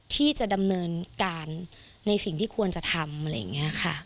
ที่จะดำเนินการในสิ่งที่ควรจะทำ